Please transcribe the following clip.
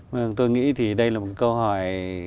vâng tôi nghĩ thì đây là một câu hỏi